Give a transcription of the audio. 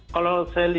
kalau saya lihat ya